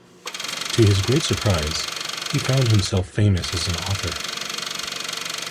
To his great surprise, he found himself famous as an author.